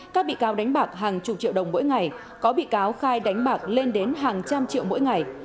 các bị cáo đánh bạc hàng chục triệu đồng mỗi ngày có bị cáo khai đánh bạc lên đến hàng trăm triệu mỗi ngày